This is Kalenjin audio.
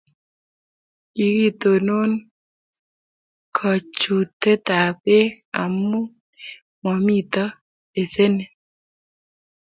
kikitonon kachutekab beek amu mamito lesenit.